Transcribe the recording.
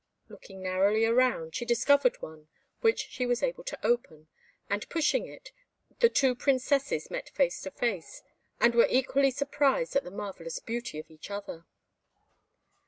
Looking narrowly round, she discovered one which she was able to open, and pushing it, the two Princesses met face to face, and were equally surprised at the marvellous beauty of each other.